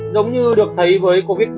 giống như được thấy với covid một mươi chín